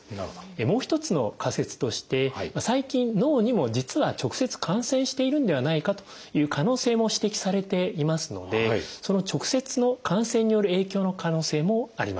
もう一つの仮説として最近脳にも実は直接感染しているんではないかという可能性も指摘されていますのでその直接の感染による影響の可能性もあります。